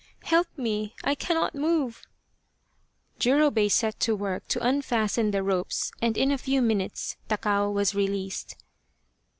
" Help me, I cannot move !" Jurobei set to work to unfasten the ropes and in a few minutes Takao was released.